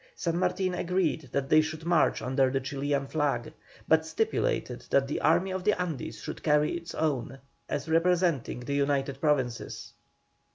San Martin agreed that they should march under the Chilian flag, but stipulated that the Army of the Andes should carry its own, as representing the United Provinces.